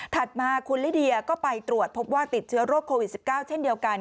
มาคุณลิเดียก็ไปตรวจพบว่าติดเชื้อโรคโควิด๑๙เช่นเดียวกัน